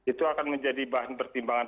itu akan menjadi bahan pertimbangan